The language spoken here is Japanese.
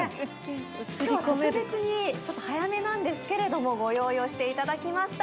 今日は特別にちょっと早めなんですけれどもご用意をしていただきました